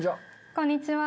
こんにちは。